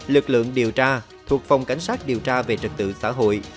lực lượng điều tra thuộc phòng cảnh sát điều tra về trật tự xã hội